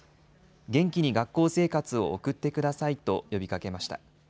元気に学校生活を送ってくださいと呼びかけました。